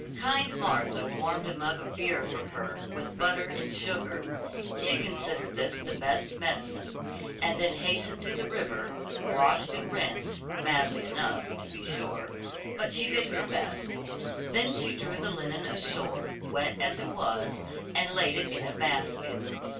Kind Martha warmed a mug of beer for her, with butter and sugar she considered this the best medicine and then hastened to the river, washed and rinsed, badly enough, to be sure, but she did her best. Then she drew the linen ashore, wet as it was, and laid it in a basket.